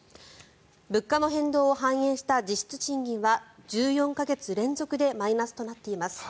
物価の変動を反映した実質賃金は１４か月連続でマイナスとなっています。